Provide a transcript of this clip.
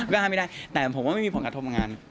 ก็ห้ามไม่ได้แต่ผมไม่มีผลขัดทอบงาน